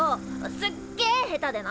すっげえ下手でな。